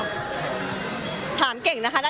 ก็คือพี่ที่อยู่เชียงใหม่พี่อธค่ะ